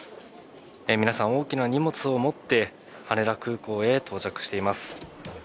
皆さん大きな荷物を持って、羽田空港へ到着しています。